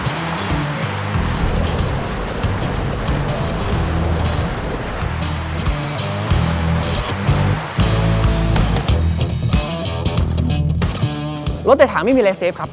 จำเรื่องรัวที่ไม่เฝือก